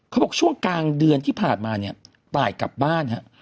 เขาบอกช่วงกลางเดือนที่ผ่านมาตายกลับบ้านครับ